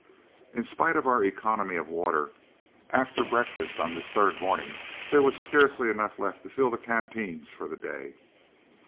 In spite of our economy of water, after breakfast on this third morning there was scarcely enough left to fill the canteens for the day.